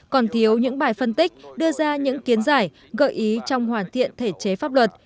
còn thiếu những bài phân tích đưa ra những kiến giải gợi ý trong hoàn thiện thể chế pháp luật